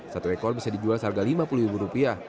satu ekor bisa dijual seharga lima puluh